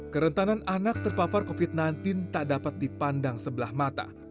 kerentanan anak terpapar covid sembilan belas tak dapat dipandang sebelah mata